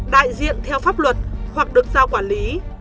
đại diện theo pháp luật hoặc được giao quản lý